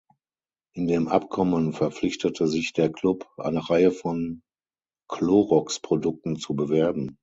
In dem Abkommen verpflichtete sich der Club, eine Reihe von Clorox-Produkten zu bewerben.